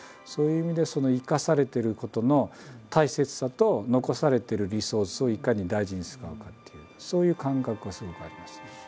そういう意味で生かされてることの大切さと残されてるリソースをいかに大事に使うかっていうそういう感覚はすごくあります。